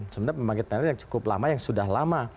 sebenarnya pembangkit plt yang cukup lama yang sudah lama